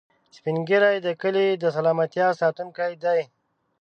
سپین ږیری د کلي د سلامتیا ساتونکي دي